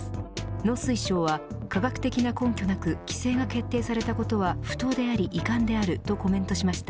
農水省は科学的な根拠なく規制が決定されたことは不当であり遺憾であるとコメントしました。